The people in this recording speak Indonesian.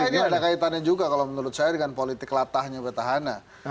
ini ada kaitannya juga kalau menurut saya dengan politik latahnya petahana